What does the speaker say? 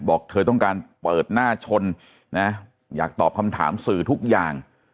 บอกเธอต้องการเปิดหน้าชนนะอยากตอบคำถามสื่อทุกอย่าง